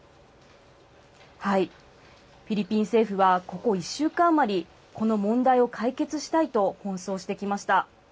フィリピン政府はここ１週間余り、この問題を解決したいと奔走してきました。